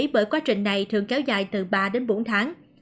bởi quá trình này thường kéo dài từ ba đến bốn tháng